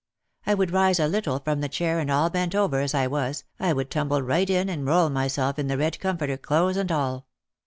I would rise a little from the chair and all bent over as I was, I would tumble right in and roll myself in the red comforter, clothes and all.